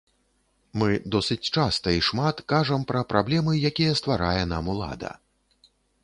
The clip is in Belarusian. Мы досыць часта і шмат кажам пра праблемы, якія стварае нам улада.